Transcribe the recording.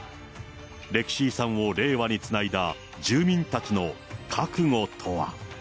歴史遺産を令和につないだ住民たちの覚悟とは。